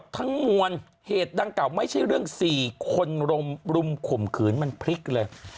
ทั้งมวลเหตุดังกล่าไม่ใช่เรื่อง๔คนรุมข่มขืนมันพลิกเลย